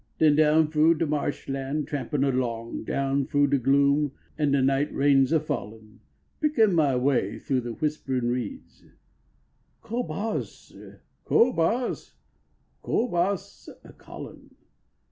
Den down iroo de marsh land trampin along, Down froo de gloom an de night rains a fallin , Pirkin my way through the whisperin reeds, "Co boss, co boss, co boss" a callin